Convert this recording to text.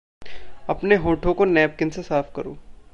अपने होठों को नैपकिन से साफ़ करो।